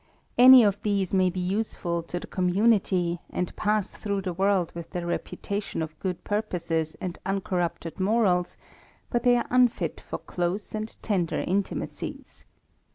Any of these may be useful to the 99 THE RAMBLER community, and pass through the world with the reputation of good purposes and uncomipted morals, but they are unfit for close and tender intimacies.